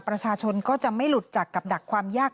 ประชาชนก็จะไม่หลุดจากกับดักความยาก